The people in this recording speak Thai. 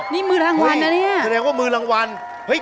นี่มือรางวัลนะเฮ้ย